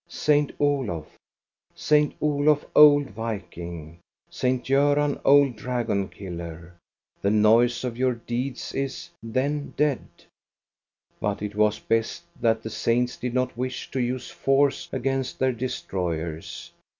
Saint Olof, Saint Olof, old viking, Saint Goran, old dragon killer, the noise of your deeds is, then, dead ! But it was best that the saints did not wish to use force against their destroyers.